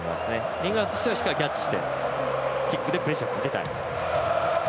イングランドとしてはしっかりキャッチしてキックでプレッシャーかけたい。